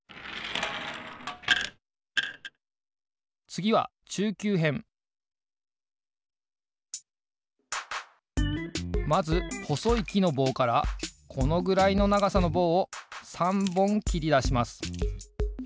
つぎはまずほそいきのぼうからこのぐらいのながさのぼうを３ぼんきりだします。